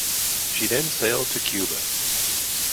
She then sailed to Cuba.